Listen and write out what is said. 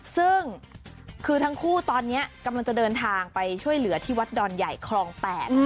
ซึ่งคือทั้งคู่ตอนนี้กำลังจะเดินทางไปช่วยเหลือที่วัดดอนใหญ่คลอง๘